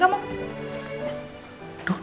kalak banget sih ya